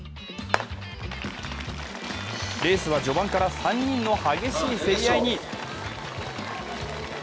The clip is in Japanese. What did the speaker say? レースは序盤から３人の激しい競り合いに。